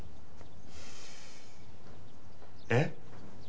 えっ？